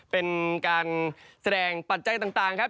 เป็นการแสดงปัจจัยต่างครับ